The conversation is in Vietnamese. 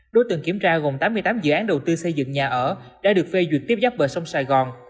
đối tượng kiểm tra gồm tám mươi tám dự án đầu tư xây dựng nhà ở đã được phê duyệt tiếp giáp bờ sông sài gòn